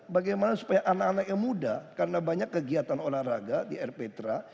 bagaimana supaya anak anak yang muda karena banyak kegiatan olahraga di rptra